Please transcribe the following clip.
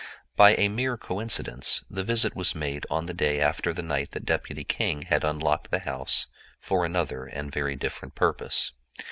By a mere coincidence, the visit was made on the day after the night that Deputy King had unlocked the house for another and very different purpose.